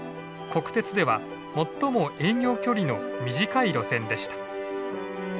国鉄では最も営業距離の短い路線でした。